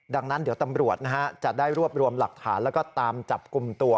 ดังนั้นเดี๋ยวตำรวจนะฮะจะได้รวบรวมหลักฐานแล้วก็ตามจับกลุ่มตัว